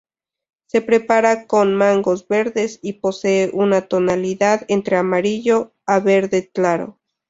Se prepara con mangos verdes y posee una tonalidad entre amarillo a verde claro.